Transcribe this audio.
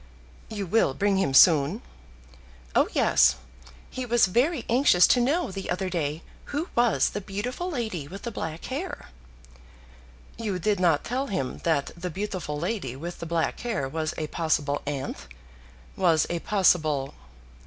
"You will bring him soon?" "Oh, yes. He was very anxious to know the other day who was the beautiful lady with the black hair." "You did not tell him that the beautiful lady with the black hair was a possible aunt, was a possible